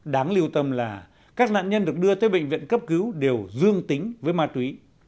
đáng lưu tâm là các nạn nhân được đưa tới bệnh viện cấp cứu đều dương tính với ma túy